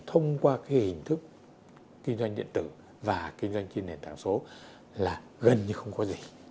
thông qua cái hình thức kinh doanh điện tử và kinh doanh trên nền tảng số là gần như không có gì